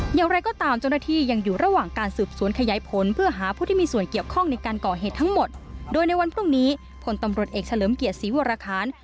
อย่างไรก็ตามจุดหน้าที่ยังอยู่ระหว่าง